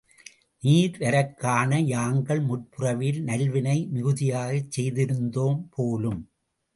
நீ வரக்காண யாங்கள் முற்பிறவியில் நல்வினை மிகுதியாகச் செய்திருந்தோம் போலும்.